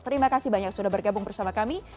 terima kasih banyak sudah bergabung bersama kami